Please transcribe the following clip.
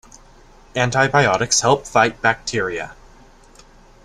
Antibiotics help fight bacteria.